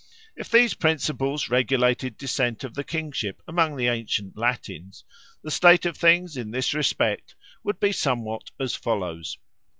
If these principles regulated descent of the kingship among the ancient Latins, the state of things in this respect would be somewhat as follows.